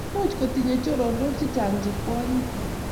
Much kotinye chorondok chechange che kwanyik